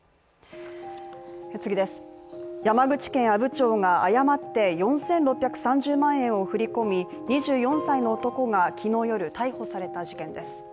山口県阿武町が誤って４６３０万円を振り込み、２４歳の男がきのう夜逮捕された事件です。